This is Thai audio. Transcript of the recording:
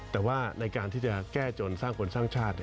แต่ว่าในการที่จะแก้จนสร้างคนสร้างชาติ